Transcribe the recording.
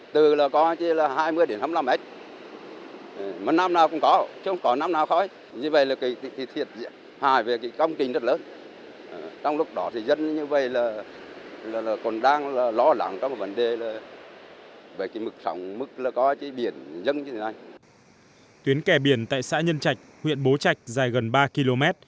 tuyến kè biển tại xã nhân trạch huyện bố trạch dài gần ba km